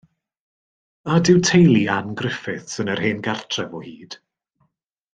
A ydyw teulu Ann Griffiths yn yr hen gartref o hyd?